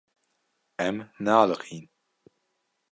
Em nealiqîn.